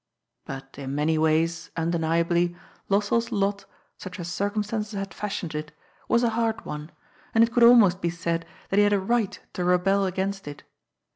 But in many ways, undeniably, Lossell's lot, such as cir 192 GOD'S POOL. cumstances had fashioned it, was a hard one, and it conld almost be said that he had a right to rebel against it.